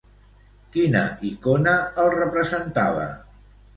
Quina icona el representava?